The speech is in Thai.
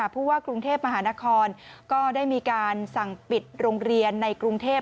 ผู้ว่ากรุงเทพมหานครก็ได้มีการสั่งปิดโรงเรียนในกรุงเทพ